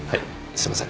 すいません。